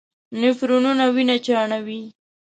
نفرونونه وینه چاڼوي.